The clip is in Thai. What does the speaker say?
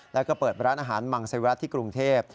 แล้วก็เปิดร้านอาหารมังเซวรัติที่กรุงเทพ